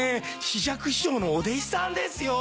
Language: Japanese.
枝雀師匠のお弟子さんですよ。